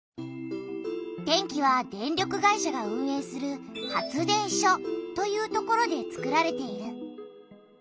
電気は電力会社が運営する発電所という所でつくられている。